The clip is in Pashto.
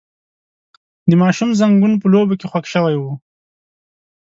د ماشوم زنګون په لوبو کې خوږ شوی و.